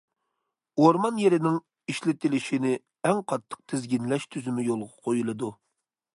ئورمان يېرىنىڭ ئىشلىتىلىشىنى ئەڭ قاتتىق تىزگىنلەش تۈزۈمى يولغا قويۇلىدۇ.